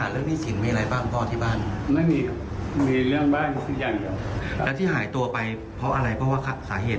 และที่หายตัวไปเพราะอะไรเพราะว่าสาเหตุ